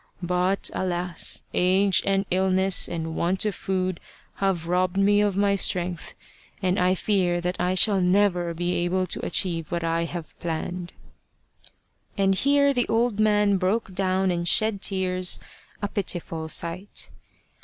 But alas ! age and illness and want of food have robbed me of my strength, and I fear that I shall never be able to achieve what I have planned," and here the old man broke down and shed tears a pitiful sight.